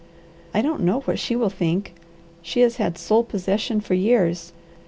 I don't know what she will think. She has had sole possession for years.